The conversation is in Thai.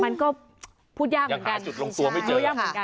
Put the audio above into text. มันก็พูดยากเหมือนกันยังหาจุดลงตัวไม่เจอ